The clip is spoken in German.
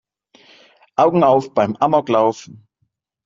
Augen auf beim Amoklauf!